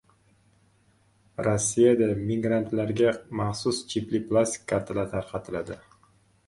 Rossiyada migrantlarga maxsus chipli plastik kartalar tarqatiladi